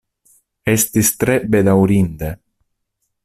Estis tre bedaŭrinde.